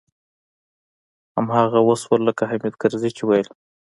هماغه و شول لکه حامد کرزي چې ويل.